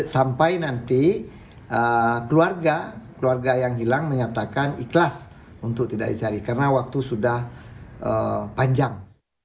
sampai nanti keluarga keluarga yang hilang menyatakan ikhlas untuk tidak dicari karena waktu sudah panjang